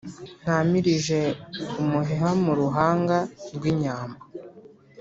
ntamirije umuheha mu ruhanga rw'inyambo.